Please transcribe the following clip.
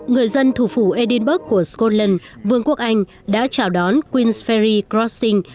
người dân thủ phủ edinburgh của scotland vương quốc anh đã chào đón queensferry crossing